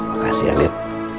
makasih ya lid